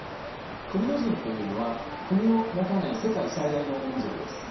クルド人というのは国を持たない世界最大の民族です。